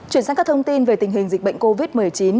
chuyển sang các thông tin về tình hình dịch bệnh covid một mươi chín